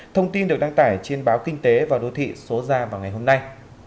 thông tin được đăng tải trên báo kinh tế và đô thị số ra vào ngày hôm nay